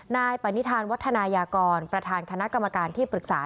นายปณิธานวัฒนายากรประธานคณะกรรมการที่ปรึกษา